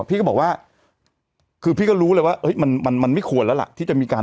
พี่ก็บอกว่าคือพี่ก็รู้เลยว่ามันมันไม่ควรแล้วล่ะที่จะมีการ